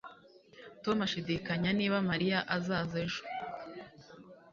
Tom ashidikanya niba Mariya azaza ejo